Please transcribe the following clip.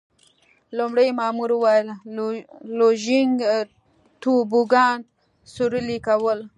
لومړي مامور وویل: لوژینګ، توبوګان سورلي کول.